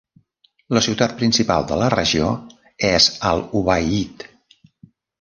La ciutat principal de la regió és Al-Ubayyid.